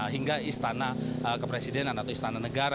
hingga istana kepresidenan atau istana negara